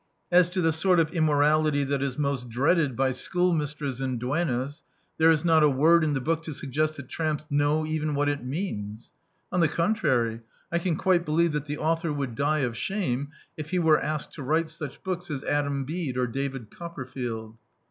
As to the sort of immorality that is most dreaded by schoolmistresses and dueimas, there is not a word in the book to suggest that tramps know even what it means. On the contrary, I can quite believe that the author would die of shame if he were asked to write such books as Adam Bede or David Copper field.